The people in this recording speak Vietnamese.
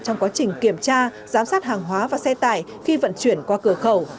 trong quá trình kiểm tra giám sát hàng hóa và xe tải khi vận chuyển qua cửa khẩu